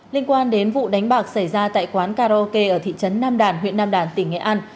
liên quan đến vụ đánh bạc xảy ra tại quán karaoke ở thị trấn nam đàn huyện nam đàn tỉnh nghệ an